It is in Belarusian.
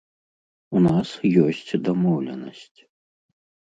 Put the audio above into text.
У нас ёсць дамоўленасць.